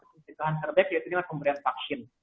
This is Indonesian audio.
pencegahan terbaik yaitu adalah pemberian vaksin